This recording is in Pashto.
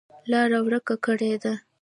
لاره ورکه کړې ده.